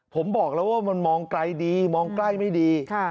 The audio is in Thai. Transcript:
ผมบอกแล้วว่ามันมองไกลดีมองใกล้ไม่ดี